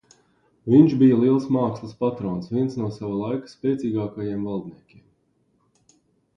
Viņš bija liels mākslas patrons, viens no sava laika spēcīgākajiem valdniekiem.